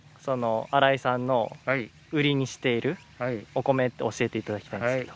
新井さんの売りにしているお米って教えていただきたいんですけど。